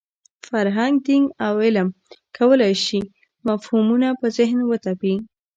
فرهنګ، دین او علم کولای شي مفهومونه په ذهن وتپي.